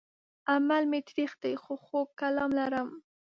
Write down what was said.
عمل مې تريخ دی که خوږ کلام لرم